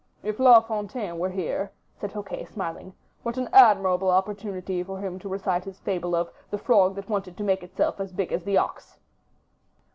"If La Fontaine were here," said Fouquet, smiling, "what an admirable opportunity for him to recite his fable of 'The Frog that wanted to make itself as big as the Ox.